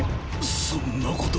そんなこと。